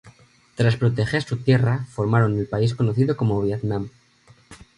Tras proteger su tierra formaron el país conocido como Vietnam.